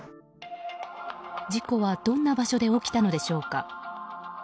事故はどんな場所で起きたのでしょうか？